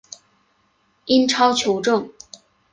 英超球证